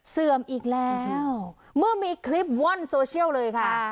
เสื่อมอีกแล้วเมื่อมีคลิปว่อนโซเชียลเลยค่ะ